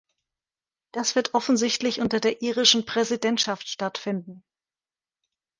Das wird offensichtlich unter der irischen Präsidentschaft stattfinden.